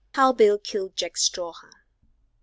HOW BILL KILLED JACK STRAWHAN.